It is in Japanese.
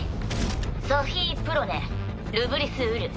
ソフィ・プロネルブリス・ウル。